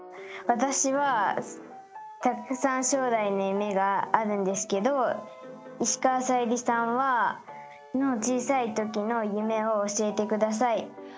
私はたくさん将来の夢があるんですけど石川さゆりさんの小さい時の夢を教えて下さい。